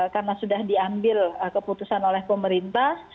karena sudah diambil keputusan oleh pemerintah